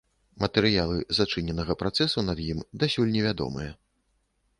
Матэрыялы зачыненага працэсу над ім дасюль не вядомыя.